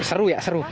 seru ya seru